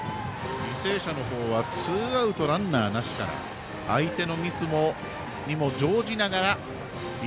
履正社の方はツーアウトランナーなしから相手のミスにも乗じながら。